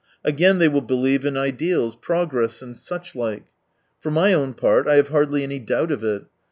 Again they will believe in ideals, progress, and such like. For my own part, I have hardly any doubt of it.